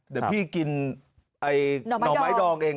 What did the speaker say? เดี๋ยวพี่กินหน่อไม้ดองเอง